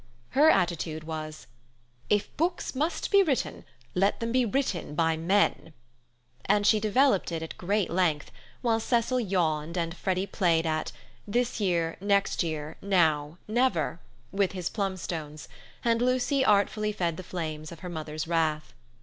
Her attitude was: "If books must be written, let them be written by men"; and she developed it at great length, while Cecil yawned and Freddy played at "This year, next year, now, never," with his plum stones, and Lucy artfully fed the flames of her mother's wrath.